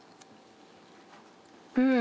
うん